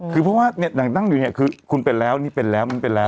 คือเพราะว่าเนี่ยหนังตั้งอยู่เนี่ยคือคุณเป็นแล้วนี่เป็นแล้วมันเป็นแล้ว